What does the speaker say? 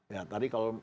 ya tadi kalau